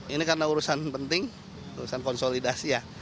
ini karena urusan penting urusan konsolidasi ya